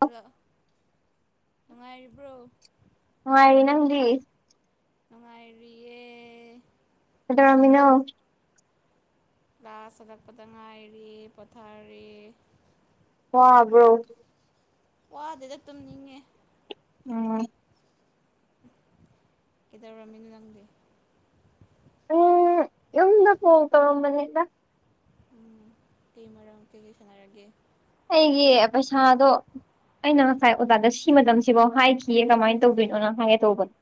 hello ꯅꯨꯡꯉꯥꯏꯔꯤꯕ꯭ꯔꯣ ꯅꯨꯉꯥꯢꯔꯤ ꯅꯪꯗꯤ ꯅꯨꯉꯥꯢꯔꯤꯌꯦ ꯀꯩꯗꯧꯔꯝꯃꯤꯅꯣ ꯀ꯭ꯂꯥꯁ ꯍꯂꯛꯄꯗ ꯉꯥꯏꯔꯤ ꯄꯣꯊꯥꯔꯤ ꯋꯥꯕ꯭ꯔꯣ ꯋꯥꯗꯦꯗ ꯇꯨꯝꯅꯤꯡꯉꯦ ꯎꯝ ꯀꯩꯗꯧꯔꯃꯤꯅꯣ ꯅꯪꯗꯤ ꯎꯝ ꯌꯨꯝꯗ ꯀꯣꯜ ꯇꯧꯔꯝꯕꯅꯤꯗ ꯎꯝ ꯀꯩ ꯃꯔꯝ ꯀꯩꯀꯩ ꯁꯥꯟꯅꯔꯒꯦ ꯑꯩꯒꯤ ꯄꯩꯁꯥꯗꯣ ꯑꯩꯅ ꯉꯁꯥꯏ ꯑꯣꯖꯥꯗ ꯁꯤ ꯃꯇꯝꯁꯤꯐꯧ ꯍꯥꯏꯈꯤꯌꯦ ꯀꯃꯥꯏꯅ ꯇꯧꯗꯣꯏꯅꯣ ꯍꯥꯏꯒꯦ ꯇꯧꯕꯅꯤ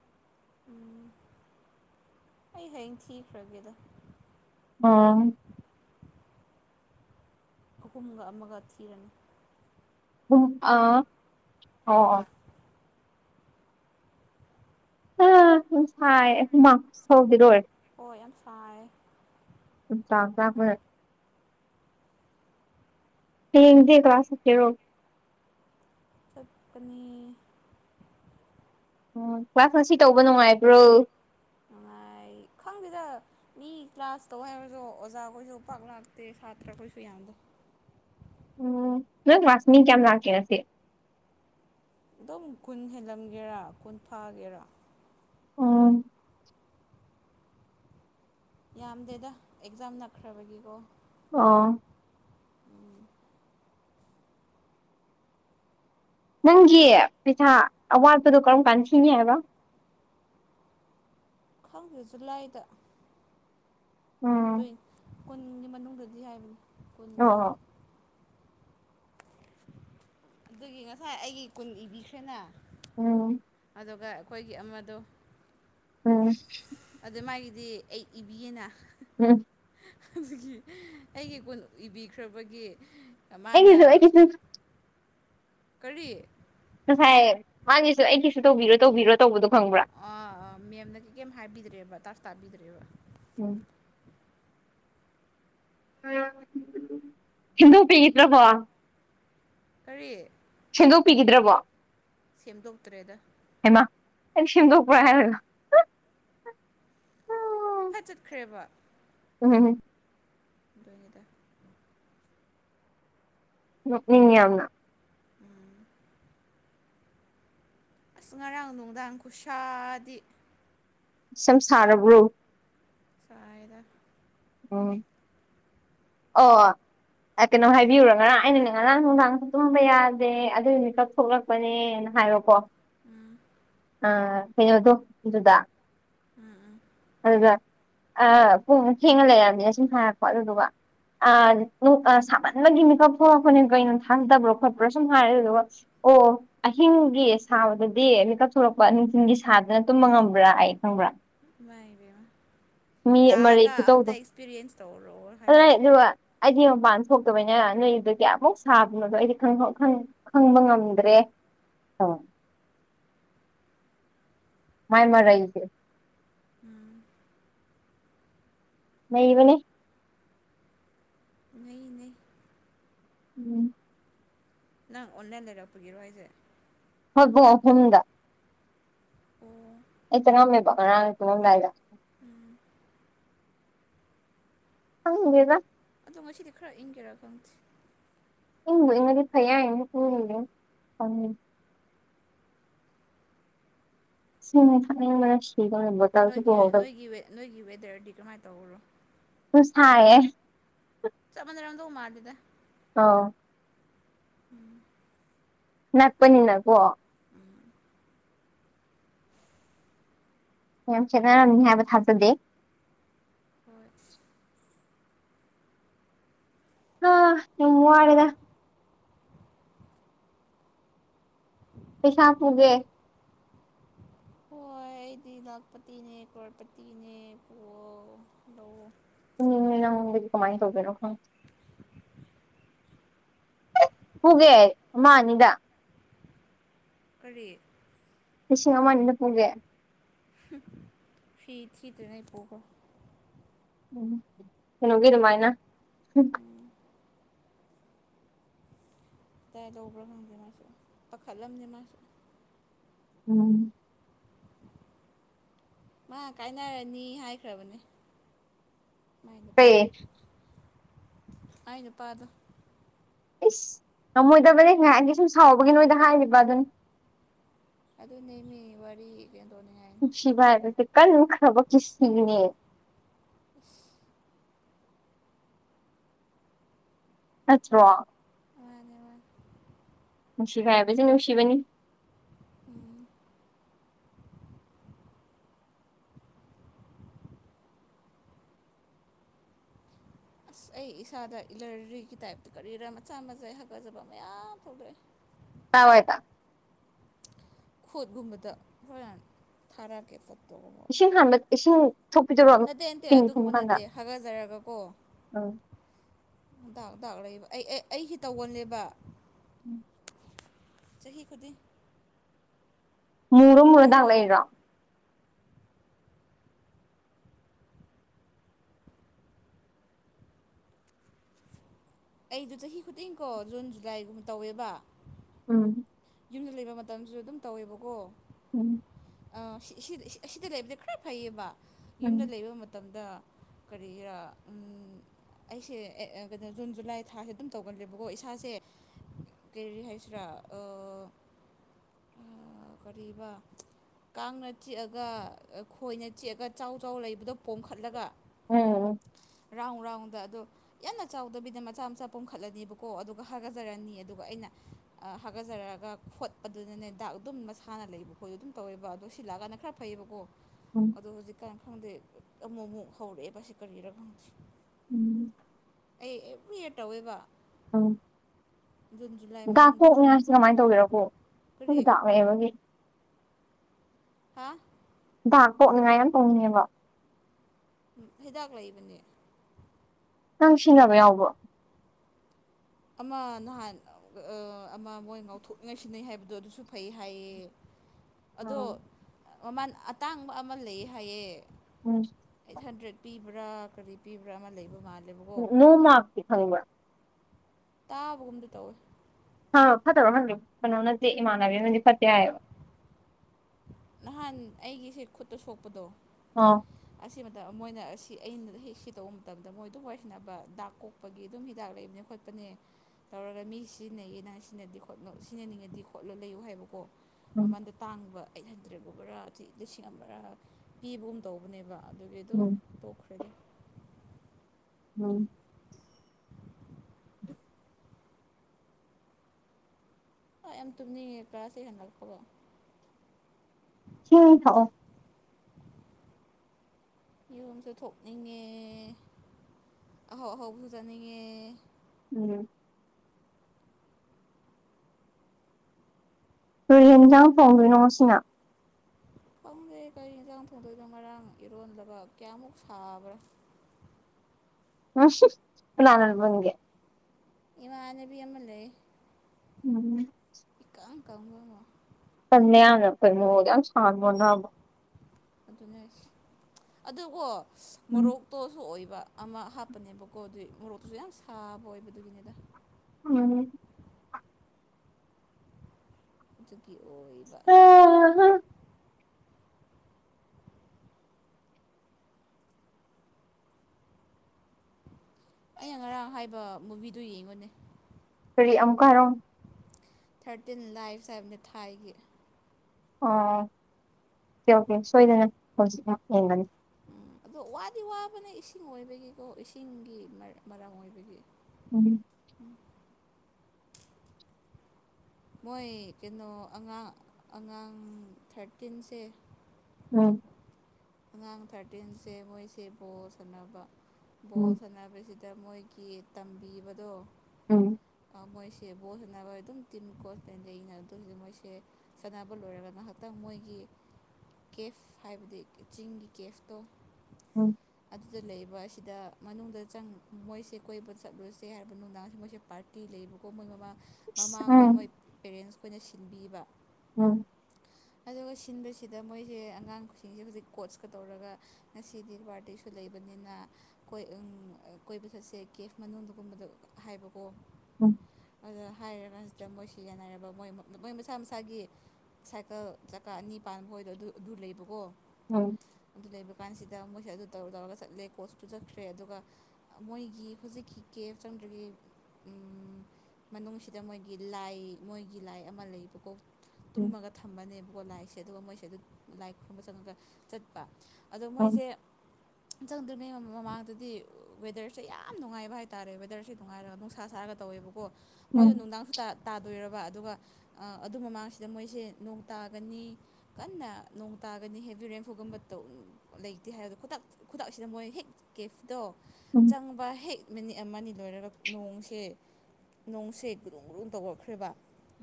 ꯎꯝ ꯑꯩ ꯍꯌꯦꯡ ꯊꯤꯈ꯭ꯔꯒꯦꯗ ꯑꯣ ꯑꯍꯨꯝꯒ ꯑꯃꯒ ꯊꯤꯔꯅꯤ ꯑꯥ ꯑꯣ ꯑꯣ ꯑ ꯌꯥꯝꯁꯥꯏꯌꯦ ꯍꯨꯃꯥꯡ ꯈꯨꯁꯧꯗꯤ ꯂꯣꯢꯔꯦ ꯍꯣꯏ ꯌꯥꯝ ꯁꯥꯏꯌꯦ [unintelligible] ꯍꯌꯦꯡꯗꯤ ꯀ꯭ꯂꯥꯁ ꯆꯠꯀꯦꯔꯣ ꯀꯅꯤ ꯎꯝ ꯈ꯭ꯋꯥꯢ ꯐꯥꯔꯁꯁꯤ ꯇꯧꯕ ꯅꯨꯡꯉꯥꯏꯕ꯭ꯔꯣ ꯑꯩ ꯈꯪꯗꯦꯗ ꯃꯤ ꯀ꯭ꯂꯥꯁ ꯇꯧ ꯍꯥꯏꯔꯒ ꯑꯣꯖꯥꯈꯣꯏꯁꯨ ꯄꯥꯛ ꯂꯥꯛꯇꯦ ꯁꯥꯇ꯭ꯔꯈꯣꯏꯁꯨ ꯌꯥꯝꯗꯦ [inaudible] ꯎꯝ ꯅꯪ ꯀ꯭ꯂꯥꯁ ꯃꯤ ꯀꯌꯥꯝ ꯂꯥꯛꯀꯦ ꯉꯁꯤ ꯑꯗꯨꯝ ꯀꯨꯟ ꯍꯦꯜꯂꯝꯒꯦꯔꯥ ꯀꯨꯟ ꯐꯥꯒꯦꯔꯥ ꯑꯣ ꯌꯥꯝꯗꯦꯗ ꯑꯦꯛꯖꯥꯝ ꯅꯛꯈ꯭ꯔꯕꯒꯤꯀꯣ ꯑꯥ ꯅꯪꯒꯤ ꯄꯤꯁꯥ ꯑꯋꯥꯠꯄꯗꯣ ꯀꯔꯝ ꯀꯥꯟ ꯊꯤꯅꯤ ꯍꯥꯏꯕ [inaudible] ꯈꯪꯗꯦ ꯖꯨꯂꯥꯏꯗ ꯎꯝ ꯇ꯭ꯋꯤꯟ ꯀꯨꯟꯒꯤ ꯃꯅꯨꯡꯗꯗꯤ ꯍꯥꯏꯕꯅꯦ ꯀꯨꯟ ꯐꯥꯎꯕ ꯑꯣ ꯑꯗꯨꯒꯤ ꯉꯁꯥꯏ ꯑꯩꯒꯤ ꯀꯨꯟ ꯏꯕꯤꯈ꯭ꯔꯦꯅ ꯎꯝ ꯑꯗꯨꯒ ꯑꯩꯈꯣꯏꯒꯤ ꯑꯃꯗꯣ ꯎꯝ ꯑꯗꯨ ꯃꯥꯒꯤꯗꯤ ꯑꯩ ꯏꯕꯤꯌꯦꯅ ꯎꯝ ꯑꯗꯨꯒꯤ ꯑꯩꯒꯤ ꯀꯨꯟ ꯏꯕꯤꯈ꯭ꯔꯕꯒꯤ ꯃꯥꯅ ꯑꯩꯒꯤꯁꯨ ꯑꯩꯒꯤꯁꯨ ꯀꯔꯤ ꯉꯁꯥꯏ ꯃꯥꯒꯤꯁꯨ ꯑꯩꯒꯤꯁꯨ ꯇꯧꯕꯤꯔꯣ ꯇꯧꯕꯤꯔꯣ ꯇꯧꯕꯗꯣ ꯈꯪꯕ꯭ꯔꯥ ꯑꯥ ꯃꯦꯝꯅꯗꯤ ꯀꯩꯝ ꯍꯥꯏꯕꯤꯗ꯭ꯔꯦꯕ ꯇꯥꯁꯨ ꯇꯥꯕꯤꯗ꯭ꯔꯦꯕ ꯎꯝ [inaudible] ꯁꯦꯝꯗꯣꯛ ꯄꯤꯒꯤꯗ꯭ꯔꯕꯣ ꯀꯔꯤ ꯁꯦꯝꯗꯣꯛ ꯄꯤꯒꯤꯗ꯭ꯔꯕꯣ ꯁꯦꯝꯗꯦꯛ ꯇ꯭ꯔꯦꯗ ꯃꯥ ꯑꯩ ꯁꯦꯝꯗꯣꯛꯄ꯭ꯔ ꯍꯥꯏꯔꯒ ꯐꯠ ꯆꯠꯈ꯭ꯔꯦꯕ ꯎꯝ ꯗꯨꯏꯅꯤꯗ ꯅꯣꯛꯅꯤꯡꯉꯦ ꯌꯥꯝꯅ ꯎꯝ ꯑꯁ ꯉꯔꯥꯡ ꯅꯨꯡꯗꯥꯡ ꯈꯨꯠꯁꯥꯗꯤ ꯁꯝ ꯁꯥꯔꯕ꯭ꯔꯣ ꯁꯥꯏꯗ ꯎꯝ ꯑꯣ ꯑꯩ ꯀꯩꯅꯣ ꯍꯥꯏꯕꯤꯌꯨꯔꯥ ꯉꯔꯥꯡ ꯑꯩꯅꯅꯦ ꯉꯔꯥꯡ ꯅꯨꯡꯗꯥꯡꯁꯨ ꯇꯨꯝꯕ ꯌꯥꯗꯦ ꯑꯗꯨꯒꯤ ꯃꯤꯀꯞꯊꯣꯛꯂꯛꯄꯅꯦꯅ ꯍꯥꯏꯌꯣ ꯀꯣ ꯎꯝ ꯑ ꯀꯩꯅꯣꯗꯣ ꯑꯗꯨꯗ [inaudible] ꯑꯗꯨꯗ ꯑ ꯄꯨꯡ ꯊꯦꯡꯅ ꯂꯩꯔꯕꯔꯕꯅꯤꯅ ꯁꯨꯝ ꯍꯥꯏꯔꯛꯄ ꯑꯗꯨꯗꯨꯒ ꯑꯥ ꯁꯥꯃꯟꯕꯒꯤ ꯃꯤꯀꯞ ꯊꯣꯛꯂꯛꯄꯅꯦ ꯀꯩꯅꯣ ꯊꯥꯖꯗꯕ꯭ꯔ ꯈꯣꯠꯄ꯭ꯔ ꯁꯨꯝ ꯍꯥꯏꯔꯦ ꯑꯗꯨꯗꯨꯒ ꯑꯣ ꯑꯍꯤꯡꯒꯤ ꯁꯥꯕꯗꯗꯤ ꯃꯤꯀꯞ ꯊꯣꯔꯛꯄ ꯅꯨꯡꯊꯤꯜꯒꯤ ꯁꯥꯕꯗꯅ ꯇꯨꯝꯕ ꯉꯝꯕ꯭ꯔꯌꯦ ꯈꯪꯕ꯭ꯔꯥ ꯏꯃꯥꯏ ꯏꯕꯦꯝꯃ ꯃꯤ ꯃꯔꯩ ꯂꯥꯛꯑꯒ ꯑꯝꯇ ꯈꯨꯇꯧꯗꯣ ꯑꯦꯛꯁꯄꯤꯔꯤꯌꯦꯟꯁ ꯇꯧꯔꯣ ꯍꯥꯏꯌꯣ ꯑꯗꯨꯅ ꯑꯗꯨꯒ ꯑꯩꯗꯤ ꯃꯄꯥꯟ ꯊꯣꯛꯇꯕꯩꯅ ꯅꯣꯏꯗ ꯀꯌꯥꯃꯨꯛ ꯁꯥꯕꯅꯣꯗꯣ ꯑꯩꯗꯤ ꯈꯪꯕ ꯉꯝꯗ꯭ꯔꯦ ꯍ [inaudible] ꯃꯥꯏ ꯃꯔꯩꯁꯦ [inaudible] ꯅꯩꯕꯅꯤ ꯅꯩ ꯅꯩ ꯎꯝ ꯅꯪ ꯑꯣꯟꯂꯥꯏꯟ ꯂꯩꯔꯛꯄꯒꯤꯔꯣ ꯍꯥꯏꯁꯦ ꯍꯣꯏꯒꯣ ꯑꯍꯨꯝꯗ ꯑꯣ ꯑꯩ ꯆꯪꯉꯝꯃꯦꯕ ꯉꯔꯥꯡ ꯇꯨꯃꯝꯗꯥꯏꯗ ꯎꯝ ꯈꯪꯗꯦꯗ ꯑꯗꯣ ꯉꯁꯤꯗꯤ ꯈꯔ ꯏꯪꯒꯦꯔꯥ ꯈꯪꯗꯦ ꯏꯪꯕꯨ ꯏꯪꯉꯗꯤ ꯐꯩ ꯍꯥꯏꯅꯤ [unintelligible] ꯏꯁꯤꯡ ꯊꯛꯅꯤꯡꯕꯅ ꯁꯤꯗꯧꯔꯦ ꯕꯣꯇꯜꯁꯨ ꯅꯣꯏꯒꯤ ꯄꯨꯍꯧꯗꯕ ꯅꯣꯏꯒꯤ ꯅꯣꯏꯒꯤ ꯋꯦꯗꯔꯗꯤ ꯀꯃꯥꯏ ꯇꯧꯔꯣ ꯑꯗꯨꯝ ꯁꯥꯏꯌꯦ ꯆꯞ ꯃꯥꯅꯔꯝꯗꯧ ꯃꯥꯟꯂꯤꯗ ꯑꯧ ꯎꯝ ꯅꯛꯄꯅꯤꯅ ꯀꯣ ꯎꯝ ꯌꯥꯝ ꯁꯦꯠꯅꯔꯝꯅꯤ ꯍꯥꯏꯕ ꯊꯥꯖꯗꯦ ꯍꯣꯏ ꯍꯥꯥ ꯌꯥꯝ ꯋꯥꯔꯦꯗ ꯄꯩꯁꯥ ꯄꯨꯒꯦ ꯍꯣꯏ ꯑꯩꯗꯤ ꯂꯥꯛꯄꯇꯤꯅꯦ ꯀ꯭ꯔꯣꯔꯄꯇꯤꯅꯦ ꯄꯨꯑꯣ ꯂꯧꯑꯣ ꯐꯨꯅꯤꯡꯉꯦ ꯅꯪꯗꯤ ꯀꯃꯥꯏ ꯇꯧꯗꯨꯏꯅꯣ ꯈꯪꯗꯦ ꯄꯨꯒꯦ ꯑꯃ ꯑꯅꯤꯗ ꯀꯔꯤ ꯂꯤꯁꯤꯡ ꯑꯃ ꯑꯅꯤꯗ ꯄꯨꯒꯦ [inaudible] ꯐꯤ ꯊꯤꯗ꯭ꯔꯤꯉꯩ ꯄꯨꯈ꯭ꯔꯣ ꯎꯝ ꯀꯩꯅꯣꯒꯤ ꯑꯗꯨꯃꯥꯏꯅ ꯎꯝ ꯀꯗꯥꯏ ꯇꯧꯕ꯭ꯔ ꯈꯪꯗꯦ ꯃꯥꯁꯨ ꯄꯥꯈꯠꯂꯝꯅꯦ ꯃꯥꯁꯨ ꯎꯝ ꯃꯥ ꯀꯥꯏꯅꯔꯅꯤ ꯍꯥꯏꯈ꯭ꯔꯕꯅꯦ ꯃꯥꯏ ꯅꯨꯄꯥꯗꯣ ꯍꯣꯏꯌꯦ ꯃꯥꯏ ꯅꯨꯄꯥꯗꯣ ꯏꯁ ꯉꯝꯃꯣꯏꯗꯕꯅꯤ ꯉꯥꯏꯍꯥꯛꯒꯤ ꯁꯨꯝ ꯁꯥꯎꯕꯒꯤ ꯅꯣꯏꯗ ꯍꯥꯏꯔꯤꯕ ꯗꯨꯅꯤ ꯑꯗꯨꯅꯦꯃꯤ ꯋꯥꯔꯤ ꯀꯩꯅꯣꯅꯦ ꯅꯨꯡꯁꯤꯕ ꯍꯥꯏꯕꯁꯦ ꯀꯟꯈ꯭ꯔꯕ ꯀꯤꯁꯤꯗꯨꯅꯦ [inaudible] ꯅꯠꯇ꯭ꯔꯣ ꯃꯥꯅꯦ ꯃꯥꯅꯦ ꯅꯨꯡꯁꯤꯕ ꯍꯥꯏꯕꯁꯤ ꯅꯨꯡꯁꯤꯕꯅꯤ ꯎꯝ ꯑꯁ ꯑꯩ ꯏꯁꯥꯗ ꯑꯦꯂꯔꯖꯤꯒꯤ ꯇꯥꯏꯞꯇ ꯀꯔꯤꯔ ꯃꯆꯥ ꯃꯆꯥ ꯍꯥꯀꯠꯖꯕ ꯃꯌꯥꯝ ꯊꯣꯛꯂꯛꯑꯦ ꯀꯥꯏꯋꯥꯏꯗ ꯈꯨꯣꯠꯒꯨꯝꯕꯗ ꯍꯣꯔꯦꯟ ꯊꯥꯔꯛꯀꯦ ꯐꯣꯠꯇꯣ ꯏꯁꯤꯡ ꯍꯥꯟꯕ ꯏꯁꯤꯡ ꯊꯣꯛꯄꯤꯗꯔꯣ ꯅꯠꯇꯦ ꯅꯠꯇꯦ ꯄꯤꯡ ꯊꯨꯝ ꯑꯗꯨꯒꯨꯝꯕ ꯀꯥꯟꯗ ꯅꯠꯇꯦ ꯍꯥꯒꯠꯆꯔꯒ ꯀꯣ ꯎꯝ ꯗꯥꯛ ꯗꯥꯛ ꯂꯩꯕ ꯑꯩ ꯑꯩ ꯑꯩꯒꯤ ꯇꯧꯒꯜꯂꯦꯕ ꯎꯝ ꯆꯍꯤ ꯈꯨꯗꯤꯡ ꯃꯨꯔꯥ ꯃꯨꯔꯥ ꯗꯥꯥꯛ ꯉꯥꯏꯈꯣꯀꯣ ꯂꯩꯔꯤꯔꯣ ꯑꯩꯗꯨ ꯆꯍꯤ ꯈꯨꯗꯤꯡꯀꯣ ꯖꯨꯟ ꯖꯨꯂꯥꯏꯒꯨꯝ ꯇꯧꯋꯦꯕ ꯎꯝ ꯌꯨꯝꯗ ꯂꯩꯕ ꯃꯇꯝꯗꯨꯖꯨ ꯑꯗꯨꯝ ꯇꯧꯋꯦꯕꯀꯣ ꯎꯝ ꯑ ꯁꯤ ꯁꯤ ꯁꯤ ꯑꯁꯤꯗ ꯂꯩꯕꯗꯤ ꯈꯔ ꯐꯩꯌꯦꯕ ꯌꯨꯝꯗ ꯎꯝ ꯂꯩꯕ ꯃꯇꯝ ꯗ ꯀꯔꯤꯔꯥ ꯎꯝ ꯑꯩꯁꯦ ꯑꯦ ꯑꯦ ꯀꯩꯅꯣ ꯖꯨꯟ ꯖꯨꯂꯥꯏ ꯊꯥꯁꯦ ꯑꯗꯨꯝ ꯇꯧꯒꯜꯂꯦꯕꯀꯣ ꯏꯁꯥꯁꯦ ꯀꯔꯤ ꯍꯥꯏꯁꯤꯔꯥ ꯑ [inaudible] ꯀꯔꯤꯕ ꯀꯥꯡꯅ ꯆꯤꯛꯑꯒ ꯈꯣꯏꯅ ꯆꯤꯛꯑꯒ ꯆꯥꯎ ꯆꯥꯎ ꯂꯩꯕꯗꯣ ꯄꯣꯝꯈꯠꯂꯒ ꯎꯝ ꯔꯥꯎꯟ ꯔꯥꯎꯟꯗ ꯑꯗꯣ ꯌꯥꯝꯅ ꯆꯥꯎꯗꯕꯤꯗ ꯃꯆꯥ ꯃꯆꯥ ꯄꯣꯝꯈꯠꯂꯅꯤꯕꯀꯣ ꯑꯗꯨꯒ ꯍꯥꯒꯠꯖꯔꯅꯤ ꯑꯗꯨꯒ ꯑꯩꯅ ꯑ ꯍꯥ ꯍꯥꯒꯠꯖꯔꯛꯑꯒ ꯈꯣꯠꯄꯗꯨꯅꯅꯦ ꯗꯥꯛ ꯑꯗꯨꯝ ꯃꯁꯥꯅ ꯂꯩꯕ ꯈꯣꯏ ꯑꯗꯨꯝ ꯇꯧꯋꯦꯕ ꯑꯗꯣ ꯁꯤꯂꯥꯛꯑꯀꯥꯟꯅ ꯈꯔ ꯐꯩꯌꯦꯕꯀꯣ ꯎꯝ ꯑꯗꯣ ꯍꯧꯖꯤꯛ ꯀꯥꯟ ꯈꯪꯗꯦ ꯑꯃꯨꯛ ꯃꯨꯛ ꯍꯧꯔꯛꯑꯦꯕ ꯁꯤ ꯀꯔꯤꯔꯥ ꯈꯪꯗꯦ ꯎꯝ ꯃꯦ ꯇꯧꯋꯦꯕ ꯑꯪ ꯖꯨꯟ ꯖꯨꯂꯥꯏ ꯒꯥ ꯃꯅꯨꯡꯗ ꯀꯣꯛꯅ ꯁꯤ ꯀꯃꯥꯏꯅ ꯇꯧꯒꯦꯔꯀꯣ ꯈꯨ ꯀꯔꯤ ꯗꯥꯛ ꯂꯩꯕꯒꯤ ꯍꯥ ꯗꯥꯛ ꯀꯣꯛꯅꯤꯉꯥꯏ ꯌꯥꯝ ꯇꯧꯅꯤꯡꯉꯦꯕ ꯍꯤꯗꯥꯛ ꯂꯩꯕꯅꯦ ꯅꯪ ꯁꯤꯟꯅꯕ ꯌꯥꯎꯕ꯭ꯔꯣ ꯑꯃ ꯅꯍꯥꯟ ꯑ ꯑꯃ ꯃꯣꯏ ꯉꯧꯊꯣꯛꯅꯤꯡꯉꯥꯏ ꯁꯤꯟꯅꯩ ꯍꯥꯏꯕꯗꯣ ꯑꯗꯨꯁꯨ ꯐꯩ ꯍꯥꯏꯌꯦ ꯑꯗꯣ ꯎꯝ ꯃꯃꯜ ꯑꯇꯥꯡꯕ ꯑꯃ ꯂꯩ ꯍꯥꯏꯌꯦ ꯎꯝ ꯑꯩꯠ ꯍꯟꯗ꯭ꯔꯦꯠ ꯄꯤꯕ꯭ꯔ ꯀꯔꯤ ꯄꯤꯕ꯭ꯔ ꯑꯃ ꯂꯩꯕ ꯃꯥꯜ ꯅꯣ ꯃꯥꯛ ꯇꯤ ꯈꯪꯕ꯭ꯔ ꯇꯥꯕꯒꯨꯝꯗꯤ ꯇꯧꯋꯦ ꯐ ꯐꯠꯇꯕ ꯈꯪꯗꯦ ꯀꯅꯣ ꯅꯠꯇꯦ ꯏꯃꯥꯟꯅꯕꯤꯅꯗꯤ ꯐꯠꯇꯦ ꯍꯥꯏꯌꯦ ꯅꯍꯥꯟ ꯑꯩꯒꯤꯁꯦ ꯈꯨꯠꯇ ꯁꯣꯛꯄꯗꯣ ꯑꯣ ꯑꯁꯤ ꯃꯇꯝ ꯃꯣꯏꯅ ꯑꯁꯤ ꯑꯩꯅ ꯍꯦꯛ ꯁꯤ ꯇꯧꯕ ꯃꯇꯝꯗ ꯃꯣꯏ ꯑꯗꯨꯝ ꯋꯥꯔꯤ ꯁꯥꯟꯅꯕ ꯗꯥꯛ ꯀꯣꯛꯄꯒꯤ ꯑꯗꯨꯝ ꯍꯤꯗꯥꯛ ꯂꯩꯕꯅꯦ ꯈꯣꯠꯄꯅꯦ ꯇꯧꯔꯒ ꯃꯤ ꯁꯤꯖꯤꯟꯅꯩꯌꯦ ꯅꯪ ꯁꯤꯖꯤꯟꯅꯗꯦ ꯈꯣꯠ ꯅꯪ ꯁꯤꯖꯤꯟꯅꯅꯤꯡꯉꯗꯤ ꯈꯣꯠꯂꯣ ꯂꯩꯌꯣ ꯍꯥꯏꯕꯀꯣ ꯎꯝ ꯃꯃꯟꯗꯣ ꯇꯥꯡꯕ ꯑꯩꯏꯠ ꯍꯟꯗ꯭ꯔꯦꯠꯒꯨꯝꯕ꯭ꯔ ꯂꯤꯁꯤꯡ ꯑꯃꯔꯥ ꯄꯤꯕꯒꯨꯝ ꯇꯧꯕꯅꯦꯕ ꯑꯗꯨꯒꯤ ꯑꯗꯨꯝ ꯎꯝ ꯇꯣꯛꯈ꯭ꯔꯦꯗꯣ ꯑꯝ ꯍꯣꯏ ꯌꯥꯝ ꯇꯨꯝꯅꯤꯡꯉꯦ ꯀ꯭ꯂꯥꯁ ꯍꯦꯛ ꯍꯜꯂꯛꯄꯒ ꯁꯤꯡ ꯊꯛꯑꯣ ꯌꯨꯝꯁꯨ ꯊꯣꯛꯅꯤꯡꯉꯦ ꯑꯍꯥꯎ ꯑꯍꯥꯎꯕꯁꯨ ꯆꯥꯅꯤꯡꯉꯦ ꯎꯝ ꯀꯩ ꯍꯦꯟꯖꯥꯡ ꯊꯣꯡꯗꯣꯏꯅꯣ ꯉꯁꯤꯅ ꯈꯪꯗꯦ ꯀꯔꯤ ꯍꯦꯟꯖꯥꯡ ꯊꯣꯡꯗꯣꯏꯅꯣ ꯉꯔꯥꯡ ꯏꯔꯣꯟꯂꯒ ꯀꯌꯥꯃꯨꯛ ꯁꯥꯕ꯭ꯔ [inaudible] [inaudible] ꯀꯅꯅꯕꯪꯒꯦ ꯏꯃꯥꯅꯕꯤ ꯑꯃ ꯂꯩ ꯎꯝ [unintelligible] ꯇꯟꯅꯦ ꯌꯥꯝꯅ ꯀꯩꯅꯣ ꯑꯗꯨꯛꯌꯥꯝ ꯁꯥꯡ ꯂꯣꯟꯅꯕꯣ ꯑꯗꯨꯅꯦ ꯍꯥꯏꯁꯦ ꯑꯗꯨꯀꯣ ꯎꯝ ꯃꯔꯣꯛꯇꯣꯁꯨ ꯑꯣꯏ ꯑꯃ ꯍꯥꯞꯄꯅꯦꯕꯀꯣ ꯑꯗꯨꯏ ꯃꯣꯔꯣꯛꯇꯨꯁꯨ ꯌꯥꯝ ꯁꯥꯕ ꯑꯣꯏꯕ ꯗꯨꯒꯤꯅꯦꯗ ꯎꯝ ꯑꯗꯨꯒꯤ ꯑꯣꯏꯕ ꯑꯩꯅ ꯉꯔꯥꯡ ꯍꯥꯏꯕ ꯃꯨꯚꯤꯗꯨ ꯌꯦꯡꯉꯨꯅꯦ ꯀꯔꯤ ꯑꯃꯨꯛꯀ ꯍꯥꯏꯔꯛꯑꯣꯅꯦ ꯊꯔꯇꯤꯟ ꯂꯥꯏꯐꯁ ꯍꯥꯏꯕꯅꯦ ꯊꯥꯏꯒꯤ ꯑꯥ ꯑꯣꯀꯦ ꯑꯣꯀꯦ ꯁꯣꯏꯗꯅ ꯍꯧꯖꯤꯛꯃꯛ ꯌꯦꯡꯒꯅꯤ ꯑꯗꯣ ꯋꯥꯗꯤ ꯋꯥꯕꯅꯦ ꯏꯁꯤꯡ ꯑꯣꯏꯕꯒꯤꯀꯣ ꯏꯁꯤꯡꯒꯤ ꯃꯔꯝ ꯑꯣꯏꯕꯒꯤ ꯎꯝ ꯃꯣꯏ ꯀꯩꯅꯣ ꯑꯉꯥꯡ ꯑꯉꯥꯡ ꯊꯥꯔꯇꯤꯟꯁꯦ ꯎꯝ ꯑꯉꯥꯡ ꯊꯥꯔꯇꯤꯟꯁꯦ ꯃꯣꯏꯁꯦ ꯕꯣꯜ ꯁꯥꯟꯅꯕ ꯕꯣꯜ ꯎꯝ ꯁꯥꯟꯅꯕꯁꯤ ꯗ ꯃꯣꯏꯒꯤ ꯇꯝꯕꯤꯕꯗꯣ ꯑꯪ ꯃꯣꯏꯁꯦ ꯕꯣꯜ ꯁꯥꯟꯅꯕ ꯑꯗꯨꯝ ꯇꯤꯝ ꯀꯣꯠꯆ ꯂꯩꯩꯅ ꯑꯗꯨ ꯃꯣꯏꯁꯦ ꯁꯥꯟꯅꯕ ꯂꯣꯏꯔꯒ ꯉꯍꯥꯛꯇꯪ ꯃꯣꯏꯒꯤ ꯀꯦꯐ ꯍꯥꯏꯕꯗꯤ ꯆꯤꯡꯒꯤ ꯀꯦꯐꯇꯣ ꯎꯝ ꯁꯤꯗ ꯂꯩꯕ ꯑꯁꯤꯗ ꯃꯅꯨꯡꯗ ꯆꯪ ꯃꯣꯏꯁꯦ ꯀꯣꯏꯕ ꯆꯠꯂꯨꯁꯦ ꯍꯥꯏꯕ ꯅꯨꯡꯗꯥꯡ ꯃꯣꯏꯁꯦ ꯄꯥꯔꯇꯤ ꯂꯩ ꯕꯀꯣ ꯃꯣꯏ ꯃꯃꯥ ꯏꯁ ꯃꯃꯥꯈꯣꯏ ꯃꯣꯏ ꯎꯝ ꯄꯦꯔꯦꯟꯁ ꯈꯣꯏꯅ ꯁꯤꯟꯕꯤꯕ ꯎꯝ ꯑꯗꯨꯒ ꯁꯤꯟꯕꯁꯤꯗ ꯃꯣꯏꯁꯦ ꯑꯉꯥꯡ ꯈꯨꯁꯤꯁꯦ ꯍꯧꯖꯤꯛ ꯀꯣꯁꯀ ꯇꯧꯔꯒ ꯉꯁꯤꯗꯤ ꯕꯥꯔꯗꯦꯁꯨ ꯂꯩꯕꯅꯤꯅ ꯀꯣꯏ ꯎꯝ ꯀꯣꯏꯕ ꯆꯠꯁꯦ ꯀꯦꯐ ꯃꯅꯨꯡꯗꯒꯨꯝꯕꯗ ꯍꯥꯏꯕꯀꯣ ꯎꯝ ꯑꯗ ꯍꯥꯏꯔꯀꯥꯟꯁꯤꯗ ꯃꯣꯏꯁꯤ ꯌꯥꯟꯅꯔꯕ ꯃꯣꯏ ꯃꯣꯏ ꯃꯁꯥ ꯃꯁꯥꯒꯤ ꯁꯥꯏꯀꯜ ꯆꯀꯥ ꯑꯅꯤ ꯄꯥꯟꯕꯍꯣꯏꯗꯣ ꯑꯗꯨ ꯑꯗꯨ ꯂꯩꯕꯀꯣ ꯎꯝ ꯑꯗꯨ ꯂꯩꯕ ꯀꯥꯟꯁꯤꯗ ꯃꯣꯏꯁꯦ ꯑꯗꯨ ꯇꯧꯔ ꯇꯧꯔꯒ ꯆꯠꯂꯦ ꯀꯣꯁꯇꯨ ꯆꯠꯈ꯭ꯔꯦ ꯑꯗꯨꯒ ꯃꯣꯏꯒꯤ ꯍꯧꯖꯤꯛꯀꯤ ꯀꯦ ꯑꯦꯕ ꯆꯟꯗ꯭ꯔꯒꯤ ꯎꯝ ꯃꯅꯨꯡꯁꯤꯗ ꯃꯣꯏꯒꯤ ꯂꯥꯏ ꯃꯣꯏꯒꯤ ꯂꯥꯏ ꯑꯃ ꯂꯩꯕꯀꯣ ꯎꯝ ꯇꯨꯝꯃꯒ ꯊꯝꯕꯅꯦꯕꯀꯣ ꯂꯥꯏꯁꯦ ꯑꯗꯨꯒ ꯃꯣꯏꯁꯦ ꯑꯗꯨ ꯂꯥꯏ ꯈꯨꯔꯝꯕ ꯆꯪꯉꯒ ꯆꯠꯄ ꯑꯗꯣ ꯎꯝ ꯃꯣꯏꯖꯦ ꯆꯪꯗ꯭ꯔꯤꯉꯩ ꯃꯃꯥꯡꯗꯗꯤ ꯋꯦꯗꯔꯁꯦ ꯌꯥꯝ ꯅꯨꯡꯉꯥꯏꯕ ꯍꯥꯏꯇꯥꯔꯦ ꯋꯦꯗꯔꯁꯦ ꯅꯨꯡꯉꯥꯏꯔꯒ ꯅꯨꯡꯁꯥ ꯁꯥꯔꯒ ꯇꯧꯋꯦꯕꯀꯣ ꯃꯣꯏꯗꯣ ꯎꯝ ꯎꯝ ꯅꯨꯡꯗꯥꯡꯁꯨ ꯇ ꯇꯥꯗꯣꯏꯔꯕ ꯑꯗꯨꯒ ꯑꯗꯨ ꯃꯃꯥꯡꯁꯤꯗ ꯃꯣꯏꯁꯦ ꯅꯣꯡ ꯇꯥꯒꯅꯤ ꯀꯟꯅ ꯅꯣꯡ ꯇꯥꯒꯅꯤ ꯍꯦ ꯨꯔꯦꯝꯐꯨꯒꯨꯝꯕ ꯇꯧ ꯂꯩꯇꯦ ꯍꯥꯏꯕꯗꯣ ꯈꯨꯗꯛ ꯈꯨꯗꯛꯁꯤꯗ ꯃꯣꯏ ꯍꯦꯛ ꯀꯦꯐꯇꯣ ꯎꯝ ꯎꯝ ꯆꯪꯕ ꯍꯦꯛ ꯃꯤꯅꯤꯠ ꯑꯃꯅꯤ ꯂꯣꯏꯔꯒ ꯅꯣꯡꯁꯦ ꯅꯣꯡꯁꯦ ꯒ꯭ꯔꯨꯡ ꯒ꯭ꯔꯨꯡ ꯇꯧꯔꯛꯈ꯭ꯔꯦꯕ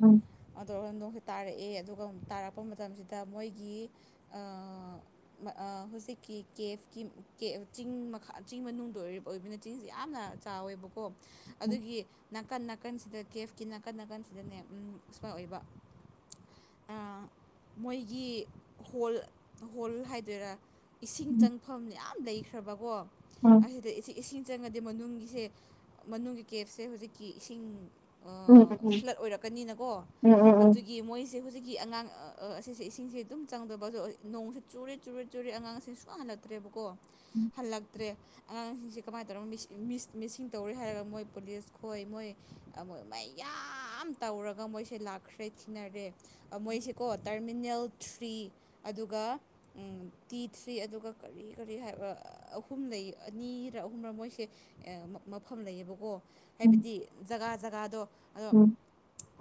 ꯎꯝ ꯇꯧꯔ ꯅꯣꯡꯁꯦ ꯇꯥꯔꯛꯑꯦ ꯑꯗꯨꯒ ꯇꯥꯔꯛꯄ ꯃꯇꯝꯁꯤꯗ ꯃꯣꯏꯒꯤ [inaudible] ꯑꯥ ꯍꯧꯖꯤꯛꯀꯤ ꯀꯦꯐꯀꯤ ꯀꯦ ꯆꯤꯡ ꯃꯈꯥ ꯆꯤꯡ ꯃꯅꯨꯡꯗ ꯑꯣꯏꯕꯅ ꯆꯤꯡꯁꯤ ꯌꯥꯝ ꯆꯥꯎꯋꯦꯕꯀꯣ ꯎꯝ ꯎꯝ ꯑꯗꯨꯒꯤ ꯅꯥꯀꯟ ꯅ ꯅꯥꯀꯟꯁꯤꯗ ꯀꯦꯐꯀꯤ ꯅꯥꯀꯟ ꯅꯥꯀꯟꯁꯤꯗꯅꯦ ꯑꯝ ꯁ꯭ꯄꯥ ꯑꯣꯏꯕ ꯑꯥ ꯃꯣꯏꯒꯤ ꯍꯣꯜ ꯍꯣꯜ ꯍꯥꯏꯗꯣꯏꯔꯥ ꯏꯁꯤꯡ ꯎꯝ ꯆꯪꯐꯝ ꯌꯥꯝ ꯂꯩꯈ꯭ꯔꯕꯀꯣ ꯑꯁꯤꯗ ꯏꯁꯤ ꯏꯁꯤꯡ ꯆꯪꯉꯗꯤ ꯃꯅꯨꯡꯒꯤꯁꯦ ꯃꯅꯨꯡꯒꯤ ꯀꯦꯞꯁꯦ ꯍꯧꯖꯤꯛꯀꯤ ꯏꯁꯤꯡ ꯎꯝ ꯎꯝ ꯎꯝ ꯎꯝ ꯑꯥ ꯐ꯭ꯂꯠ ꯑꯣꯏꯔꯛꯀꯅꯤꯅꯀꯣ ꯎꯝ ꯑꯗꯨꯒꯤ ꯃꯣꯏꯁꯦ ꯍꯧꯖꯤꯛꯀꯤ ꯑꯉꯥꯡ ꯑꯁꯤꯁꯦ ꯏꯁꯤꯡꯁꯦ ꯑꯗꯨꯝ ꯆꯪꯗꯕ ꯑꯗꯣ ꯅꯣꯡꯁꯦ ꯆꯨꯔꯦ ꯆꯨꯔꯦ ꯆꯨꯔꯦ ꯑꯉꯥꯡꯁꯤꯡ ꯁꯨꯛꯍꯜ ꯍꯜꯂꯛꯇ꯭ꯔꯦꯕꯀꯣ ꯍꯜꯂꯛꯇ꯭ꯔꯦ ꯑꯉꯥꯡꯁꯤꯡꯁꯦ ꯀꯃꯥꯏ ꯇꯧꯔꯝꯅꯤ ꯃꯤꯁ ꯃꯤꯁ ꯃꯤꯁꯁꯤꯡ ꯇꯧꯔꯦ ꯍꯥꯏꯔꯒ ꯃꯣꯏ ꯄꯨꯂꯤꯁ ꯈꯣꯏ ꯃꯣꯏ ꯃꯣ ꯃꯥꯏ ꯌꯥꯝ ꯇꯧꯔꯒ ꯃꯣꯏꯁꯦ ꯂꯥꯛꯈ꯭ꯔꯦ ꯊꯤꯅꯔꯦ ꯃꯣꯏꯁꯦꯀꯣ ꯇꯔꯃꯤꯅꯦꯜ ꯊ꯭ꯔꯤ ꯏ ꯑꯗꯨꯒ ꯇꯤ ꯊ꯭ꯔꯤ ꯑꯗꯨꯒ ꯀꯔꯤ ꯀꯔꯤ ꯍꯥꯏꯕ ꯑꯍꯨꯝ ꯂꯩ ꯑꯅꯤꯔ ꯑꯍꯨꯝꯔ ꯃꯣꯏꯁꯦ ꯃꯐꯝ ꯂꯩꯌꯦꯕꯀꯣ ꯎꯝ ꯍꯥꯏꯕꯗꯤ ꯖꯒꯥ ꯖꯒꯥꯗꯣ ꯑꯗꯣ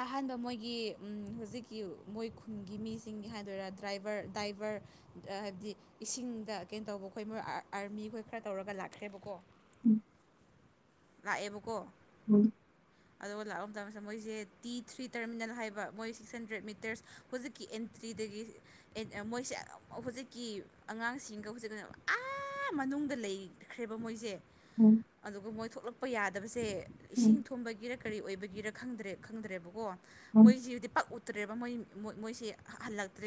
ꯑꯍꯥꯟꯕ ꯃꯣꯏ ꯒꯤ ꯑꯝ ꯍꯧꯖꯤꯛꯀꯤ ꯃꯣꯏ ꯈꯨꯟꯒꯤ ꯃꯤꯁꯤꯡ ꯍꯥꯏꯗꯣꯏꯔꯥ ꯗ꯭ꯔꯥꯏꯕꯔ ꯗ꯭ꯔꯥꯏꯕꯔ ꯍꯥꯏꯕꯗꯤ ꯏꯁꯤꯡꯗ ꯀꯩꯅꯣ ꯇꯧꯕ ꯑꯩꯈꯣꯏ ꯃꯣꯏ ꯑꯥꯔꯃꯤ ꯈꯈꯣꯏ ꯈꯔ ꯇꯧꯔꯒ ꯂꯥꯛꯈ꯭ꯔꯦꯕꯀꯣ ꯎꯝ ꯂꯥꯛꯑꯦꯕꯀꯣ ꯎꯝ ꯂꯥꯛ ꯃꯇꯝꯁꯤꯗ ꯃꯣꯏꯁꯦ ꯇꯤ ꯊ꯭ꯔꯤ ꯇꯔꯃꯤꯅꯦꯜ ꯍꯥꯏꯕ ꯃꯣꯏ ꯁꯤꯛꯁ ꯍꯟꯗ꯭ꯔꯦꯗ ꯃꯤꯇꯔꯁ ꯍꯧꯖꯤꯛꯀꯤ ꯑꯦꯟꯇ꯭ꯔꯤꯗꯒꯤ ꯃꯣꯏꯁꯦ ꯍꯧꯖꯤꯛꯀꯤ ꯑꯉꯥꯡꯁꯤꯡꯒ ꯍꯧꯖꯤꯛꯀꯅꯦꯕ ꯑꯥ ꯃꯅꯨꯡꯗ ꯂꯩꯈ꯭ꯔꯦꯕ ꯃꯣꯏꯁꯦ ꯑꯗꯨꯒ ꯃꯣꯏ ꯊꯣꯛꯂꯛꯄ ꯌꯥꯗꯕꯁꯦ ꯎꯝ ꯏꯁꯤꯡ ꯎꯝ ꯊꯨꯕꯒꯤꯔ ꯀꯔꯤ ꯑꯣꯏꯕꯒꯤꯔ ꯈꯪꯗ꯭ꯔꯦ ꯈꯪꯗ꯭ꯔꯦꯕꯀꯣ ꯎꯝ ꯃꯣꯏꯁꯤꯗꯤ ꯄꯛ ꯇ꯭ꯔꯦꯕ ꯃꯣꯏ ꯃꯣꯏꯁꯦ ꯍꯜꯂꯛꯇ꯭ꯔꯦ